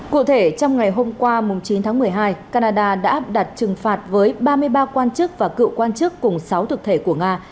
cụ thể trong ngày hôm qua chín tháng một mươi hai canada đã áp đặt trừng phạt với ba mươi ba quan chức và cựu quan chức cùng sáu thực thể của nga